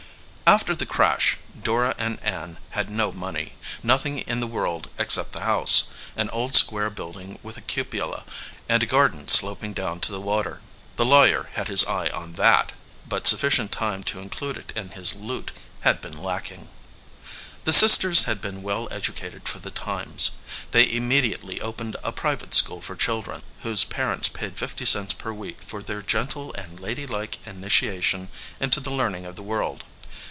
After the crash, Dora and Ann had no money, nothing in the world except the house, an old square building with a cupola and a garden sloping down to the water. The lawyer had his eye on that, but sufficient time to include it in his loot had been lacking. The sisters had been well educated for the times. They immediately opened a private school for chil dren, whose parents paid fifty cents per week for their gentle and lady like initiation into the learn ing of the world.